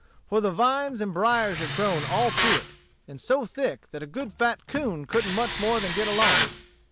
For the vines and briers had grown all through it, and so thick that a good fat coon couldn't much more than get along.